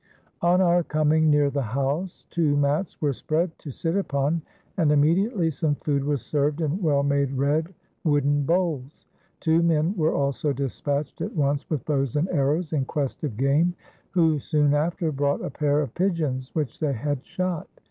On our coming near the house, two mats were spread to sit upon and immediately some food was served in well made red wooden bowls; two men were also dispatched at once with bows and arrows in quest of game, who soon after brought a pair of pigeons which they had shot.